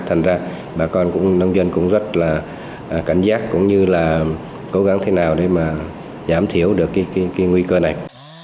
thành ra bà con cũng nông dân cũng rất là cảnh giác cũng như là cố gắng thế nào để mà giảm thiểu được cái nguy cơ này